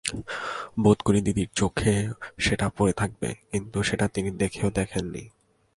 বোধকরি দিদির চোখে সেটা পড়ে থাকবে, কিন্তু সেটা তিনি দেখেও দেখেন নি।